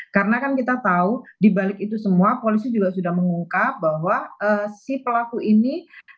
karena kan kita tahu dibalik itu semua polisi juga sudah mengungkap bahwa si pelaku ini